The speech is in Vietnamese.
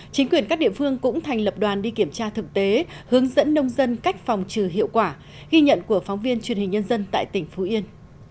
chính quyền các địa phương cũng thành lập đoàn đi kiểm tra thực tế hướng dẫn nông dân cách phòng trừ hiệu quả ghi nhận của phóng viên truyền hình nhân dân tại tỉnh phú yên